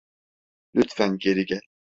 Lütfen geri gel.